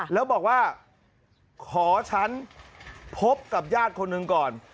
แล้วบอกว่าขอฉันพบกับญาติคนหนึ่งก่อน